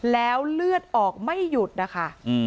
แล้วเลือดออกไม่หยุดนะคะ